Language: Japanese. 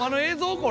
これ。